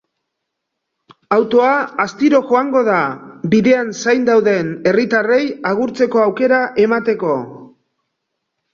Autoa astiro joango da, bidean zain dauden herritarrei agurtzeko aukera emateko.